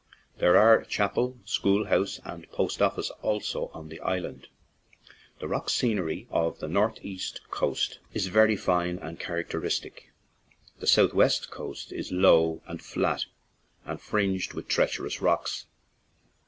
There are a chapel, school house, and post office also on the island. The rock scenery of the northeast coast is very fine and characteristic; the south west coast is low and flat, and fringed with treacherous rocks.